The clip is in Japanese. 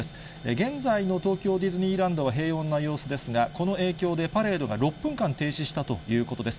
現在の東京ディズニーランドは平穏な様子ですが、この影響で、パレードが６分間停止したということです。